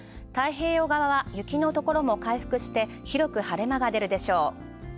太平洋側は雪のところも回復して、広く晴れ間が出るでしょう。